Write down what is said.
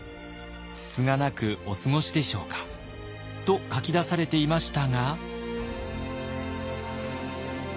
つつがなくお過ごしでしょうか」と書き出されていましたが。